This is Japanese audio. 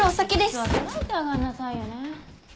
・靴は揃えて上がんなさいよね。